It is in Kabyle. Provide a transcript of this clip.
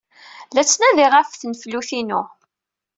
La ttnadiɣ ɣef tenfult-inu.